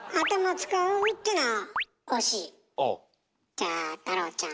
じゃあ太郎ちゃん。